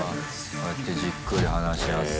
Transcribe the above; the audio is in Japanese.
こうやってじっくり話し合って。